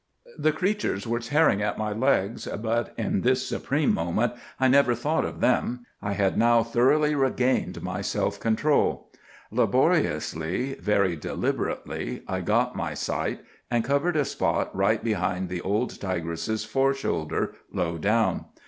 "'The creatures were tearing at my legs, but in this supreme moment I never thought of them. I had now thoroughly regained my self control. "'Laboriously, very deliberately, I got my sight, and covered a spot right behind the old tigress's foreshoulder, low down.